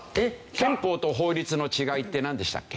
憲法と法律の違いってなんでしたっけ？